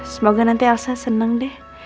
semoga nanti elsa senang deh